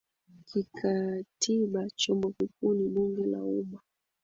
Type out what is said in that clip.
Kikatiba chombo kikuu ni Bunge la umma